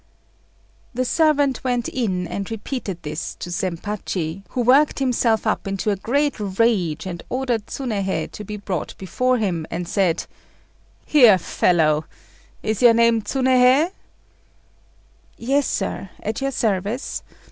The servant went in and repeated this to Zempachi, who worked himself up into a great rage, and ordered Tsunéhei to be brought before him, and said "Here, fellow, is your name Tsunéhei?" "Yes, sir, at your service.